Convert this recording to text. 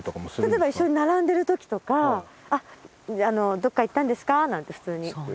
例えば一緒に並んでる時とかどこか行ったんですか？なんて普通に。